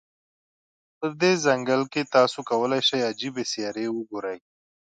په دې ځنګل کې، تاسو کولای شی عجيبې سیارې وګوری.